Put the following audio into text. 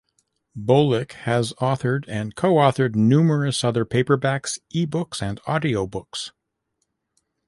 Bolick has authored and co-authored numerous other paperbacks, ebooks and audiobooks.